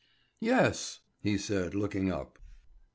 "Yes," he said looking up.